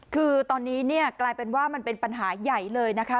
คือตอนนี้เนี่ยกลายเป็นว่ามันเป็นปัญหาใหญ่เลยนะคะ